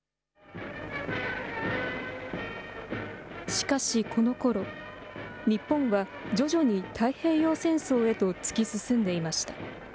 しかしこのころ、日本は徐々に太平洋戦争へと突き進んでいました。